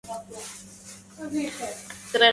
رق مولانا لعبد زمن